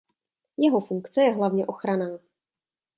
Jeho funkce je hlavně ochranná.